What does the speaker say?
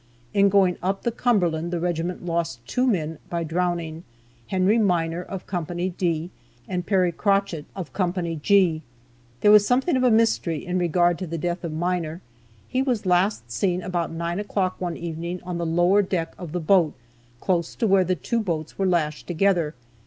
In going up the Cumberland the regiment lost two men by drowning; Henry Miner, of Co. D, and Perry Crochett, of Co. G. There was something of a mystery in regard to the death of Miner. He was last seen about nine o'clock one evening on the lower deck of the boat, close to where the two boats were lashed together.